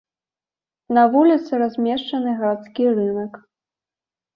На вуліцы размешчаны гарадскі рынак.